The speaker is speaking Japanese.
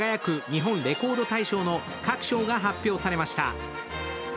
日本レコード大賞」の各賞が発表されました。